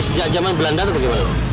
ini sejak zaman belanda atau gimana